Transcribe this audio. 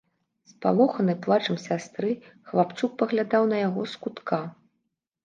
Спалоханы плачам сястры, хлапчук паглядаў на яго з кутка.